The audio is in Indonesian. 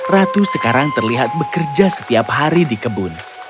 ratu sekarang terlihat bekerja setiap hari di kebun